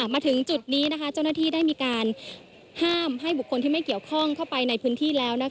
มาถึงจุดนี้เจ้าหน้าที่ได้มีการห้ามให้บุคคลที่ไม่เกี่ยวข้องเข้าไปในพื้นที่แล้ว